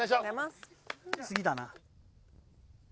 次だな。